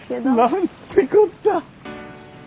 何てこった！